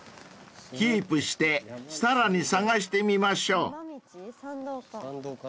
［キープしてさらに探してみましょう］